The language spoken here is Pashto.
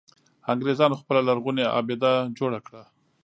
انګرېزانو خپله لرغونې آبده جوړه کړه.